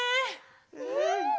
うん！